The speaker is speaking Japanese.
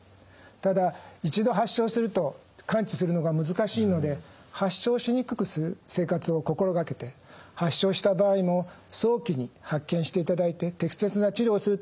ただ一度発症すると完治するのが難しいので発症しにくくする生活を心掛けて発症した場合も早期に発見していただいて適切な治療をする。